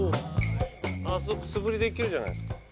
あそこ素振りできるじゃないですか。